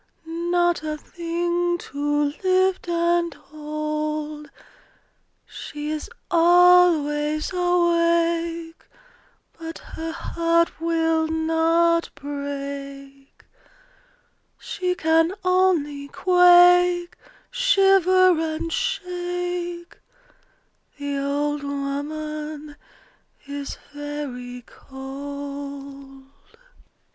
Not a thing to lift and hold! She is always awake, But her heart will not break: She can only quake, Shiver, and shake: The old woman is very cold.